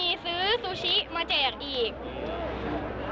ได้มาจากเงินของคุณครูผู้ปกครองโรงเรียนสวนกุหลาบวิทยาลัย